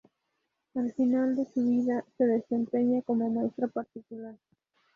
Al final de su vida, se desempeña como maestra particular.